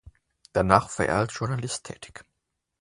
Danach war er als Journalist tätig.